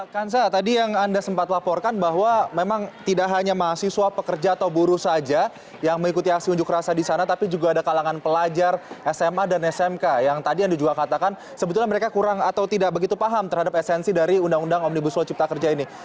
kansa tadi yang anda sempat laporkan bahwa memang tidak hanya mahasiswa pekerja atau buruh saja yang mengikuti aksi unjuk rasa di sana tapi juga ada kalangan pelajar sma dan smk yang tadi anda juga katakan sebetulnya mereka kurang atau tidak begitu paham terhadap esensi dari undang undang omnibus law cipta kerja ini